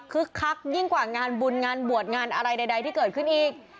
คักยิ่งกว่างานบุญงานบวชงานอะไรใดที่เกิดขึ้นอีก